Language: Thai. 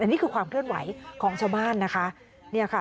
นี่คือความเคลื่อนไหวของชาวบ้านนะคะ